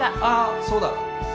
ああそうだ。